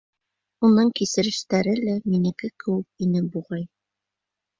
Уның кисерештәре лә минеке кеүек ине буғай.